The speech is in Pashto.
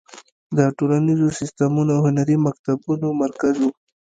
د ټولنیزو سیستمونو او هنري مکتبونو مرکز و.